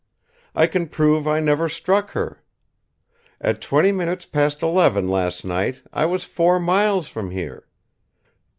I can prove I never struck her. At twenty minutes past eleven last night I was four miles from here.